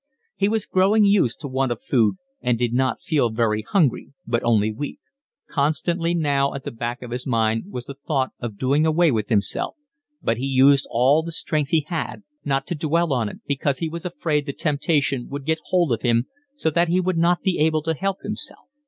He was growing used to want of food and did not feel very hungry, but only weak. Constantly now at the back of his mind was the thought of doing away with himself, but he used all the strength he had not to dwell on it, because he was afraid the temptation would get hold of him so that he would not be able to help himself.